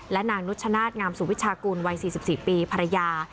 และนางนุชชนาธิงามสุวิชากุลวัย๔๔ปีภรรยา